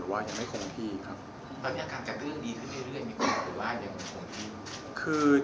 ตอนนี้ทางจากเรื่องดีขึ้นเรื่อยมีคนบอกว่าเราก็คงที่